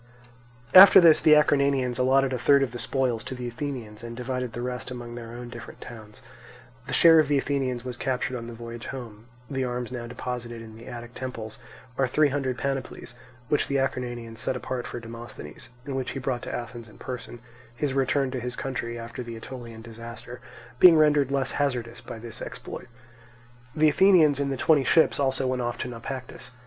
After this the Acarnanians allotted a third of the spoils to the Athenians, and divided the rest among their own different towns. The share of the Athenians was captured on the voyage home; the arms now deposited in the Attic temples are three hundred panoplies, which the Acarnanians set apart for Demosthenes, and which he brought to Athens in person, his return to his country after the Aetolian disaster being rendered less hazardous by this exploit. The Athenians in the twenty ships also went off to Naupactus.